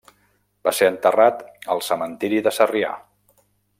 Va ser enterrat al cementiri de Sarrià.